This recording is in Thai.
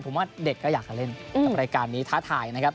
คือยืนยันแล้วว่าจะไม่มีอยากเรียกมานะครับ